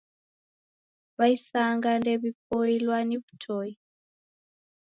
W'aisanga ndew'ipoilwa ni w'utoi.